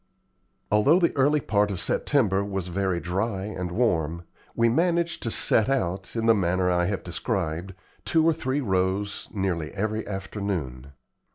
Although the early part of September was very dry and warm, we managed to set out, in the manner I have described, two or three rows nearly every afternoon.